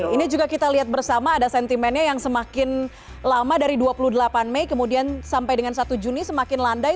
ini juga kita lihat bersama ada sentimennya yang semakin lama dari dua puluh delapan mei kemudian sampai dengan satu juni semakin landai